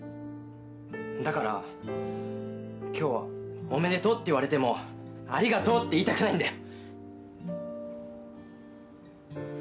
だから今日は「おめでとう」って言われても「ありがとう」って言いたくないんだよ。